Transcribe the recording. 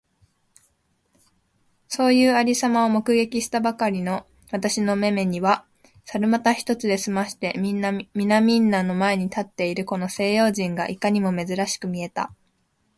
そういう有様を目撃したばかりの私の眼めには、猿股一つで済まして皆みんなの前に立っているこの西洋人がいかにも珍しく見えた。